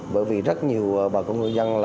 bởi vì rất nhiều bà con người dân